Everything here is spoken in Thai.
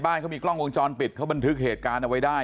เขามีกล้องวงจรปิดเขาบันทึกเหตุการณ์เอาไว้ได้